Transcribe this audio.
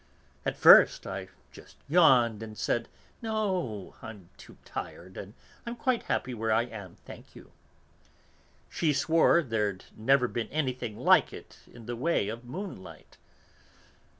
At first I just yawned, and said, 'No, I'm too tired, and I'm quite happy where I am, thank you.' She swore there'd never been anything like it in the way of moonlight.